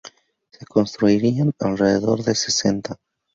Se construirían alrededor de sesenta.